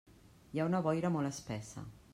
Hi ha una boira molt espessa.